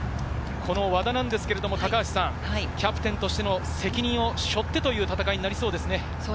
和田はキャプテンとしての責任を背負ってという戦いになりそうですね。